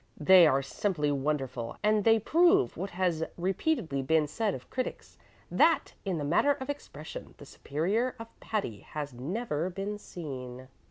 They are simply wonderful, and they prove what has repeatedly been said by critics, that, in the matter of expression, the superior of Patti has never been seen."